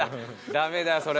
ダメだそれ。